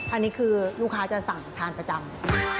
อันนี้คือลูกค้าจะสั่งทานประจำ